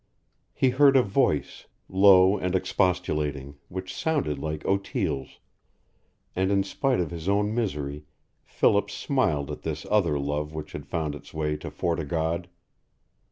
He heard a voice, low and expostulating, which sounded like Otille's, and in spite of his own misery Philip smiled at this other love which had found its way to Fort o' God.